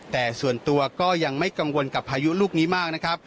แต่ส่วนตัวก็ยังไม่กังวลกับพายุลูกนี้มากนะครับ